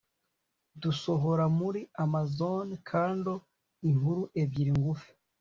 dusohora kuri Amazon Kindle inkuru ebyiri ngufi